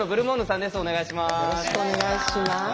よろしくお願いします。